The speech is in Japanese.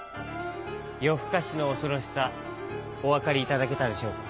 よふかしのおそろしさおわかりいただけたでしょうか？